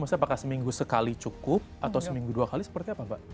maksudnya apakah seminggu sekali cukup atau seminggu dua kali seperti apa mbak